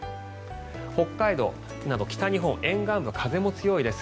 北海道など北日本沿岸部風も強いです。